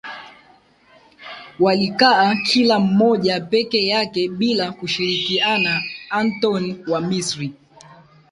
walikaa kila mmoja peke yake bila kushirikiana Antoni wa Misri